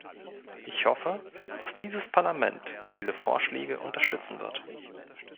Ich hoffe, dass dieses Parlament diese Vorschläge unterstützen wird.